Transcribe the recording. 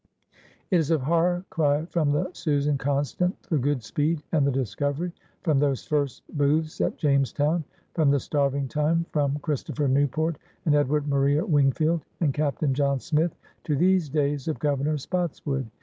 '* It is a far cry from the Susan Coruiant, the Goodspeed, and the Discovery, from those first booths at Jamestown, from the Starving Time, from Christopher Newport and Edward Maria Wingfield and Captain John Smith to these days of Governor Spotswood.